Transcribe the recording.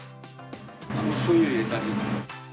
しょうゆ入れたり。